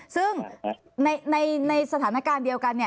ซึ่งในสถานการณ์เดียวกัน